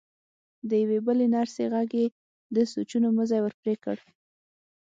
د يوې بلې نرسې غږ يې د سوچونو مزی ور پرې کړ.